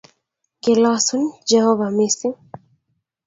Kilosun. Jehovah. mising'.